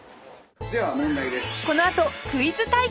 このあとクイズ対決！